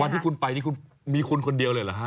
ที่คุณไปนี่คุณมีคุณคนเดียวเลยเหรอฮะ